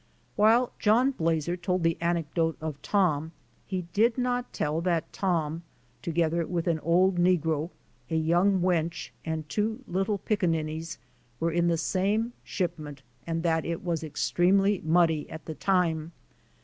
While John Blazer told the anecdote of Tom he did not tell that Tom, together with an old negro, a young wench and two little pickaninnies were in the same shipment and that it was extremely muddy at the time.